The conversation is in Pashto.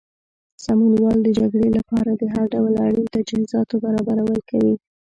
سمونوال د جګړې لپاره د هر ډول اړین تجهیزاتو برابرول کوي.